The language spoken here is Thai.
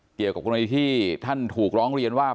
เกี่ยวกับกรณีที่ท่านถูกร้องเรียนว่า